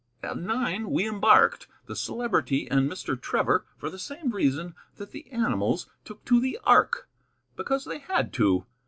At nine we embarked, the Celebrity and Mr. Trevor for the same reason that the animals took to the ark, because they had to.